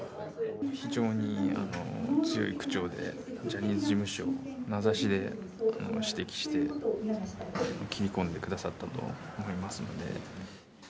非常に強い口調でジャニーズ事務所を名指しで指摘して、切り込んでくださったと思いますので。